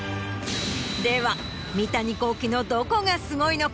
では三谷幸喜のどこがすごいのか？